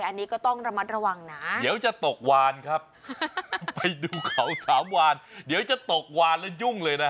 อันนี้ก็ต้องระมัดระวังนะเดี๋ยวจะตกวานครับไปดูเขาสามวานเดี๋ยวจะตกวานแล้วยุ่งเลยนะ